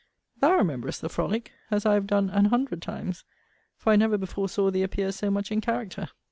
Thou remembrest the frolick, as I have done an hundred times; for I never before saw thee appear so much in character.